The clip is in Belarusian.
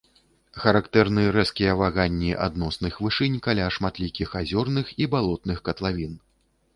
Характэрны рэзкія ваганні адносных вышынь каля шматлікіх азёрных і балотных катлавін.